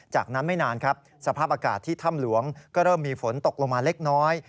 จากนั้นไม่นานครับสภาพอากาศที่ถ้ำหลวงก็เริ่มมีฝนตกลงมาเล็กน้อย